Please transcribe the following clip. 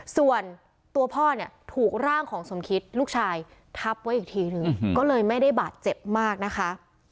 ส่วนตัวพ่อเนี่ยถูกร่างของสมคิตลูกชายทับไว้อีกทีหนึ่งก็เลยไม่ได้บาดเจ็บมากนะคะ